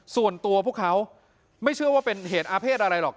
ส่วนตัวพวกเขาไม่เชื่อว่าเป็นเหตุอาเภษอะไรหรอก